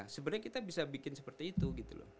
sebenarnya kita bisa bikin seperti itu gitu loh